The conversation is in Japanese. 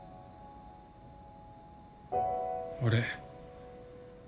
俺。